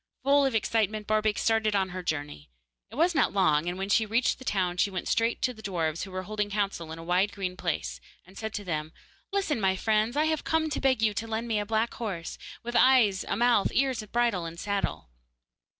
Full of excitement, Barbaik started on her journey. It was not long, and when she reached the town she went straight to the dwarfs, who were holding counsel in a wide green place, and said to them, 'Listen, my friends! I have come to beg you to lend me a black horse, with eyes, a mouth, ears, bridle and saddle.